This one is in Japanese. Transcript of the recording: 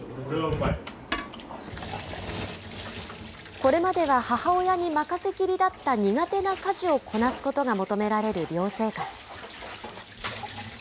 これまでは母親に任せきりだった苦手な家事をこなすことが求められる寮生活。